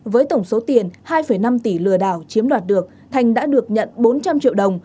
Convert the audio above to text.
với tổng số tiền hai năm tỷ lừa đảo chiếm đoạt được thành đã được nhận bốn trăm linh triệu đồng